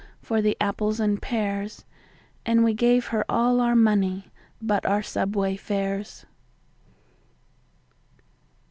for the apples and pears, And we gave her all our money but our subway fares.